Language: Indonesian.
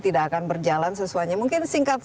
tidak akan berjalan sesuai mungkin singkat